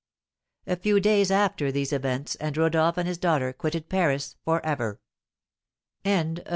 A few days after these events and Rodolph and his daughter quitted Paris for ever. EPILOGUE.